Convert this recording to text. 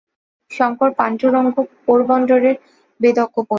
শঙ্কর পাণ্ডুরঙ্গ পোরবন্দরের বেদজ্ঞ পণ্ডিত।